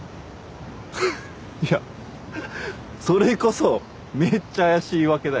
フッいやそれこそめっちゃ怪しい言い訳だよ。